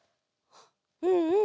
うんうん。